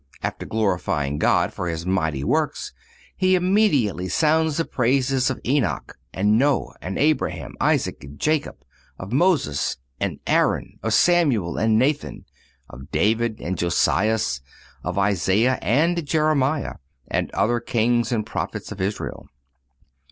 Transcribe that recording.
After glorifying God for His mighty works, he immediately sounds the praises of Enoch and Noe, of Abraham, Isaac and Jacob, of Moses and Aaron, of Samuel and Nathan, of David and Josias, of Isaiah and Jeremiah, and other kings and prophets of Israel.